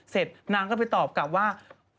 เสร็จนางก็ไปตอบกลับว่า